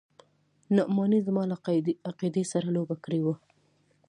نعماني زما له عقيدې سره لوبه کړې وه.